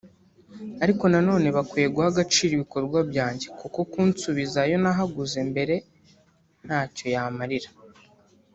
Ariko nanone bakwiye guha agaciro ibikorwa byanjye kuko kunsubiza ayo nahaguze mbere ntacyo yamarira